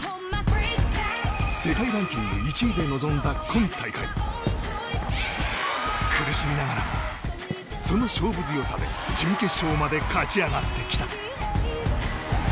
世界ランク１位で臨んだ今大会苦しみながらもその勝負強さで準決勝まで勝ち上がってきた。